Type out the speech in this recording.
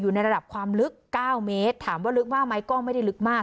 อยู่ในระดับความลึกเก้าเมตรถามว่าลึกมากไหมก็ไม่ได้ลึกมาก